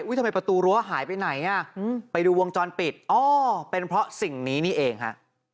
ทำไมประตูรั้วหายไปไหนอ่ะไปดูวงจรปิดอ๋อเป็นเพราะสิ่งนี้นี่เองฮะ